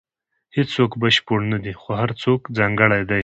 • هیڅوک بشپړ نه دی، خو هر څوک ځانګړی دی.